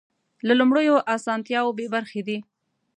له لومړیو اسانتیاوو بې برخې دي.